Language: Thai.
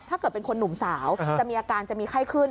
ถ้าเกิดเป็นคนหนุ่มสาวจะมีอาการจะมีไข้ขึ้น